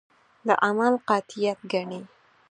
د عمل قاطعیت ګڼي.